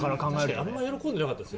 確かにあんま喜んでなかった。